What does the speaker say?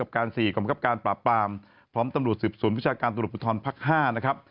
กรรมกรรมการปราบปรามพร้อมตำรวจสืบศูนย์วิชาการตรวจบุทรภัค๕นะครับ